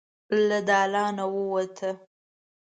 له دالانه ووته.